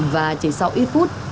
và chỉ sau ít phút